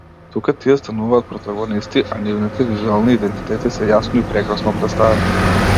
Тука тие стануваат протагонисти, а нивните визуелни идентитети се јасно и прекрасно претставени.